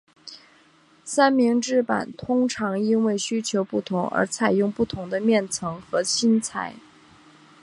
三明治板通常因为需求不同而采用不同的面层和芯材。